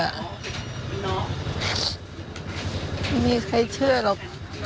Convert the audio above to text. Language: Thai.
ไม่มีใครเชื่อหรอก